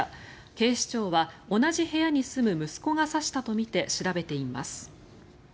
警視庁は同じ部屋に住む息子が刺したとみて調べています。